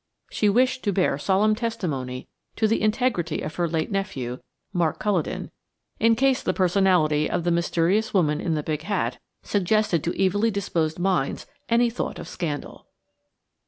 She wished to bear solemn testimony to the integrity of her late nephew, Mark Culledon, in case the personality of the mysterious woman in the big hat suggested to evilly disposed minds any thought of scandal.